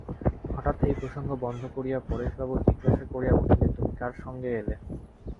হঠাৎ এই প্রসঙ্গ বন্ধ করিয়া পরেশবাবু জিজ্ঞাসা করিয়া উঠিলেন, তুমি কার সঙ্গে এলে?